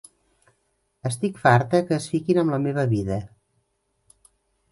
Estic farta que es fiquin amb la meva vida.